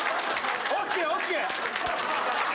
ＯＫＯＫ。